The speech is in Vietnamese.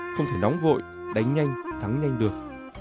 không thể nóng vội đánh nhanh thắng nhanh được